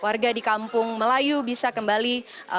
warga di kampung melayu bisa kembali